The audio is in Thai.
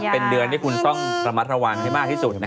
เป็นเดือนที่คุณต้องระมัดระวังให้มากที่สุด